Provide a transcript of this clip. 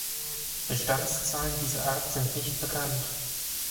Bestandszahlen dieser Art sind nicht bekannt.